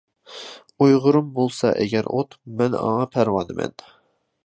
ئۇيغۇرۇم بولسا ئەگەر ئوت، مەن ئاڭا پەرۋانىمەن.